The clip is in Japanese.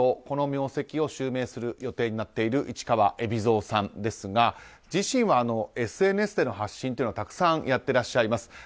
この名跡を襲名する予定になっている市川海老蔵さんですが自身はＳＮＳでの発信をたくさんやっていらっしゃいます。